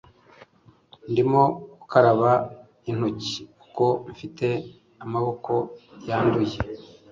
ndimo gukaraba intoki kuko mfite amaboko yanduye